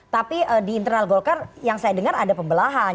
tapi di internal golkar yang saya dengar ada pembelahan